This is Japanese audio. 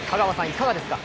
いかがですか？